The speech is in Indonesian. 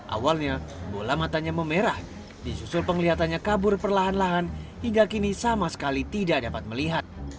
awalnya bola matanya memerah disusul penglihatannya kabur perlahan lahan hingga kini sama sekali tidak dapat melihat